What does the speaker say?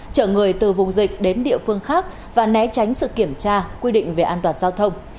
chở người từ vùng dịch đến địa phương khác và né tránh sự kiểm tra quy định về an toàn giao thông